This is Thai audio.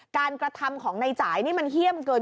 กระทำของนายจ่ายนี่มันเฮี่ยมเกิน